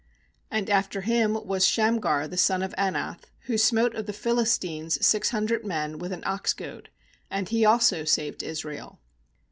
81 And after him was Shamgar the son of Anath, who smote of the Phi listines six hundred men with an ox goad; and he also saved Israel.